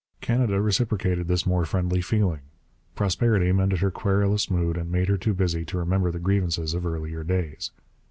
Canada reciprocated this more friendly feeling. Prosperity mended her querulous mood and made her too busy to remember the grievances of earlier days.